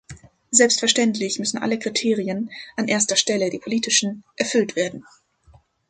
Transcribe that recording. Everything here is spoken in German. Selbstverständlich müssen alle Kriterien, an erster Stelle die politischen, erfüllt werden.